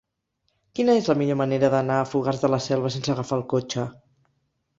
Quina és la millor manera d'anar a Fogars de la Selva sense agafar el cotxe?